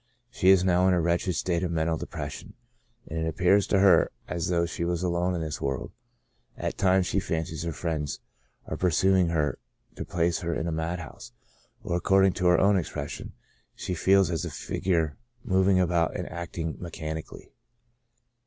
She is now in a wretched state of mental depresssion, and it appears to her as though she was alone in this world ; at times she fancies her friends are pursuing her to place her in a mad house ; or according to her own expression, she feels as a figure moving about and acting mechanically.